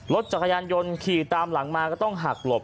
รถจักรยานยนต์ขี่ตามหลังมาก็ต้องหักหลบ